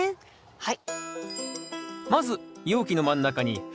はい。